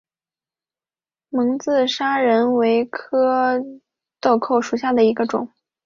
蒙自砂仁为姜科豆蔻属下的一个种。